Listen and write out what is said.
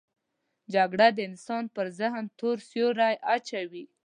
جګړه د انسان پر ذهن تور سیوری اچوي